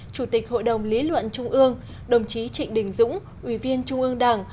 chủ tịch hội đồng lý luận trung ương đồng chí trịnh đình dũng ủy viên trung ương đảng